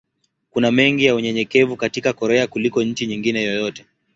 Kuna mengi ya unyenyekevu katika Korea kuliko nchi nyingine yoyote.